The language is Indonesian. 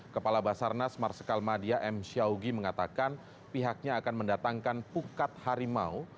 kepala basarnas marsikal madia m syaugi mengatakan pihaknya akan mendatangkan pukat harimau